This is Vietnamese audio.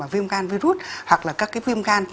viêm gan virus hoặc là các viêm gan